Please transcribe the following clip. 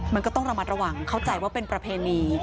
มันก็ต้องระมัดระวังเข้าใจว่าเป็นประเพณี